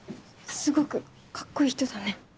すごくかっこいい人だね。